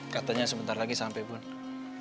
katanya sebentar lagi sampe bunda